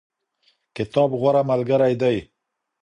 کتاب غوره ملګری دی.